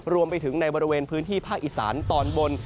รวมไปถึงในบริเวณพื้นที่ภาคอีสานตอนบน